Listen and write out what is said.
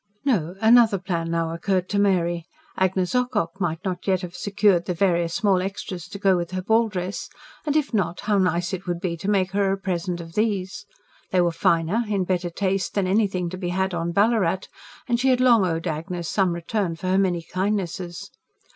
No, another plan now occurred to Mary. Agnes Ocock might not yet have secured the various small extras to go with her ball dress; and, if not, how nice it would be to make her a present of these. They were finer, in better taste, than anything to be had on Ballarat; and she had long owed Agnes some return for her many kindnesses.